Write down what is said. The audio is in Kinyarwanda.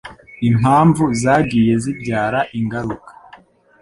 Impamvu zagiye zibyara ingaruka.